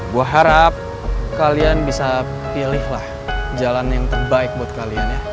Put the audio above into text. gue harap kalian bisa pilihlah jalan yang terbaik buat kalian ya